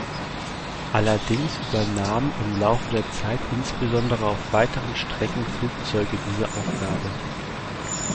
Allerdings übernahmen im Laufe der Zeit insbesondere auf weiteren Strecken Flugzeuge diese Aufgabe.